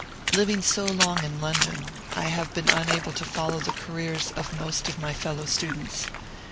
Living so long in London, I have been unable to follow the careers of most of my fellow students.